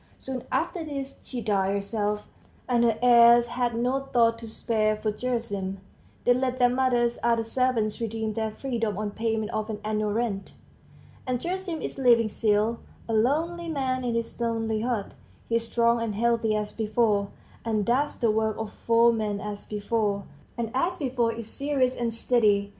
Soon after this she died herself; and her heirs had no thought to spare for Gerasim; they let their mother's other servants redeem their freedom on payment of an annual rent. And Gerasim is living still, a lonely man in his lonely hut; he is strong and healthy as before, and does the work of four men as before, and as before is serious and steady.